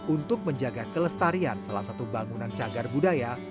untuk menjaga kelestarian salah satu bangunan cagar budaya